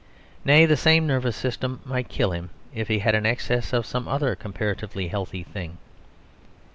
Nay, the same nervous system might kill him if he had an excess of some other comparatively healthy thing.